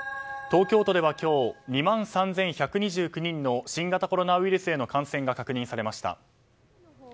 東京都では今日２万３１２９人の新型コロナウイルスへの感染が確認されました。